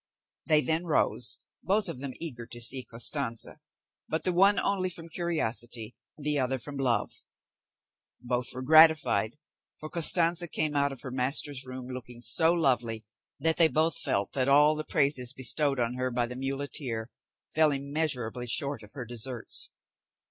They then rose, both of them eager to see Costanza, but the one only from curiosity, the other from love. Both were gratified; for Costanza came out of her master's room looking so lovely, that they both felt that all the praises bestowed on her by the muleteer, fell immeasurably short of her deserts.